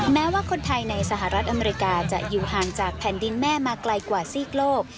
แม้ว่าคนไทยในสหรัฐอเมริกาจะอยู่ห่างจากแผ่นดินแม่มาไกลกว่าซีกโลก